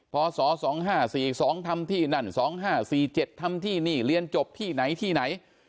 พศ๒๕๔๒ทำที่นั่น๒๕๔๗ทำที่นี่เรียนจบที่ไหนที่ไหน